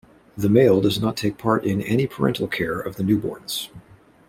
The male does not take part in any parental care of the newborns.